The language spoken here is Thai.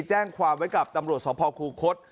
แจ้งความไว้กับตำรวจสภคูคศ